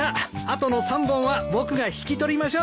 後の３本は僕が引き取りましょう。